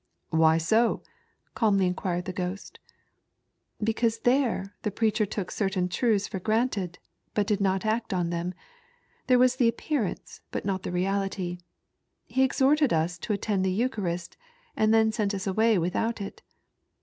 "Why so," calmly inquired the ghost. " Because there the preacher took certain trntha for granted, but did not act on them. There was the appearance, but not the reality. He exhorted us to attend the Eucharist, and then sent us away without it.